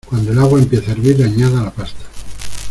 Cuando el agua empiece a hervir añada la pasta.